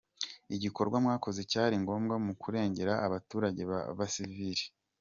Igikorwa mwakoze cyari ngombwa mu kurengera abaturage b’abasivili.